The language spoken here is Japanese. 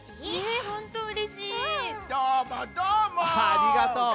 ありがとう。